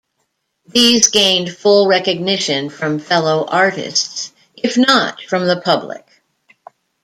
These gained full recognition from fellow-artists, if not from the public.